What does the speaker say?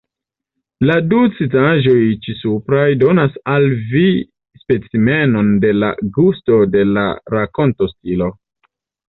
La du citaĵoj ĉisupraj donas al vi specimenon de la gusto de la rakontostilo.